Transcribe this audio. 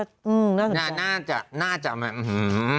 ต้องมีแต่คนในโซเชียลว่าถ้ามีข่าวแบบนี้บ่อยทำไมถึงเชื่อขนาดใด